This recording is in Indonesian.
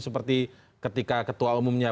seperti ketika ketua umumnya